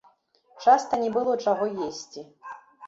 Часта не было чаго есці.